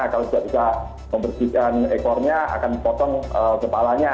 kalau juga juga membersihkan ekornya akan potong kepalanya